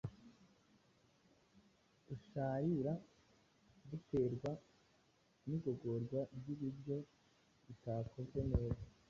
dusharira; buterwa n’igogorwa ry’ibiryo ritakozwe neza.